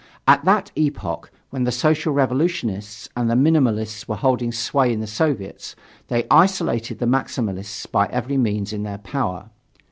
At that epoch, when the Social Revolutionists and the Minimalists were holding sway in the Soviets, they isolated the Maximalists by every means in their power.